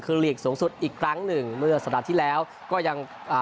คือลีกสูงสุดอีกครั้งหนึ่งเมื่อสัปดาห์ที่แล้วก็ยังอ่า